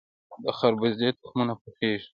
د خربوزې تخمونه پخیږي.